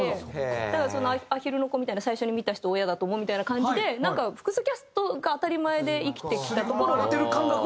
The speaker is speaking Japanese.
だからアヒルの子みたいな最初に見た人を親だと思うみたいな感じで複数キャストが当たり前で生きてきたところがあります。